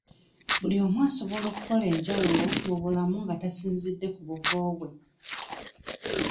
Buli omu asobola okukola enjawulo mu bulamu nga tasinzidde ku buvo bwe.